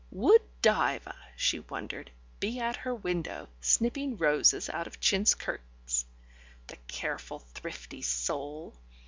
Would Diva, she wondered, be at her window, snipping roses out of chintz curtains? The careful, thrifty soul.